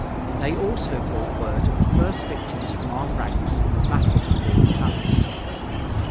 They also brought word of the first victims from our ranks in the battle before the Palace.